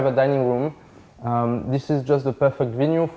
ไม่มีใครต้องเข้าไป